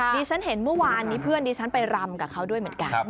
ดิฉันเห็นเมื่อวานนี้เพื่อนดิฉันไปรำกับเขาด้วยเหมือนกัน